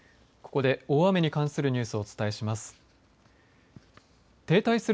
ここで大雨に関するニュースをお伝えします。